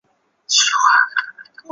反射光栅的部分。